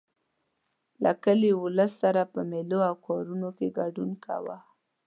له کلي ولس سره په مېلو او کارونو کې ګډون کاوه.